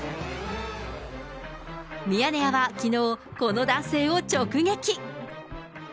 ミヤネ屋はきのう、この男性を直撃。